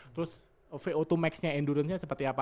terus vo dua max nya endurance nya seperti apa